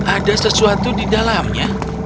ada sesuatu di dalamnya